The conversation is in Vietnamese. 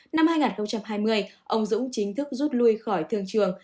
năm hai nghìn hai mươi ông dũng chính thức rút lui khỏi thương trường